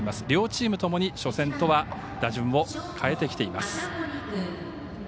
両チームともに初戦とは打順を変えてきています。